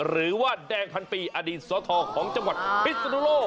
หรือว่าแดงพันปีอดีตสทของจังหวัดพิศนุโลก